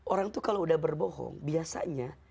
orang itu kalau udah berbohong biasanya